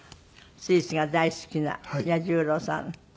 スイスが大好きな彌十郎さん。